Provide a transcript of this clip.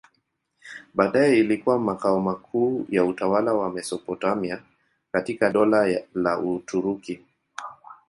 Baadaye ilikuwa makao makuu ya utawala wa Mesopotamia katika Dola la Uturuki.